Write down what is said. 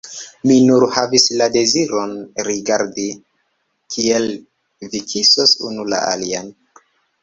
Mi nur havis la deziron rigardi, kiel vi kisos unu la alian.